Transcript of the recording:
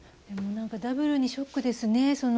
ダブルにショックですね。